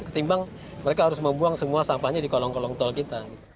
ketimbang mereka harus membuang semua sampahnya di kolong kolong tol kita